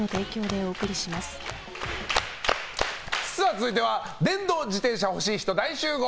続いては電動自転車欲しい人、大集合！